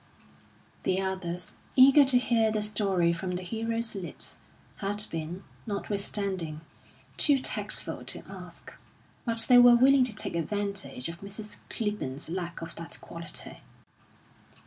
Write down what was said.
The others, eager to hear the story from the hero's lips, had been, notwithstanding, too tactful to ask; but they were willing to take advantage of Mrs. Clibborn's lack of that quality.